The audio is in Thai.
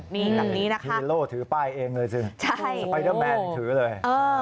มีแบบนี้นะคะฮีโร่ถือป้ายเองเลยสิสไปเดอร์แบนถือเลย